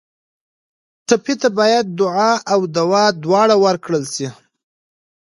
ټپي ته باید دعا او دوا دواړه ورکړل شي.